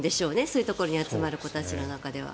そういうところに集まる子たちの中では。